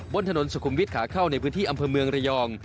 บนถนนสุขุมวิทย์ขาเข้าในพื้นที่อำเภอเมืองระยอง